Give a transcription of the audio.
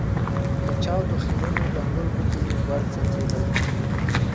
له چاودو، خيرنو ، ډنګرو ګوتو يې غوړ څڅېدل.